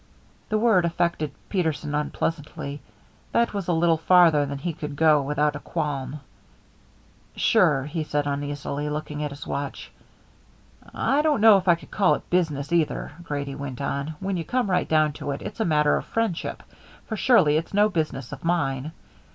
The word affected Peterson unpleasantly. That was a little farther than he could go without a qualm. "Sure," he said uneasily, looking at his watch. "I don't know as I should call it business, either," Grady went on. "When you come right down to it, it's a matter of friendship, for surely it's no business of mine.